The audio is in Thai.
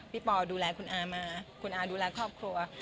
ปอดูแลคุณอามาคุณอาดูแลครอบครัว